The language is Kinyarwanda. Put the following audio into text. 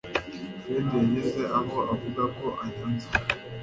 Fred yageze aho avuga ko anyanze